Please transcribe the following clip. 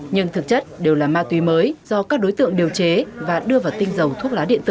nhưng thực chất đều là ma túy mới do các đối tượng điều chế và đưa vào tinh dầu thuốc lá điện tử